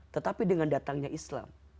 tetapi dengan datangnya islam